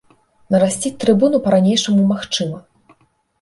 Нарасціць трыбуну па-ранейшаму магчыма.